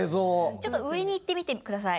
ちょっと上に行ってみてください。